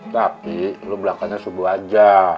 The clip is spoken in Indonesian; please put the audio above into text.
tapi lu belakangnya subuh aja